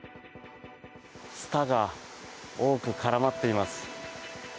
ツタが多く絡まっています。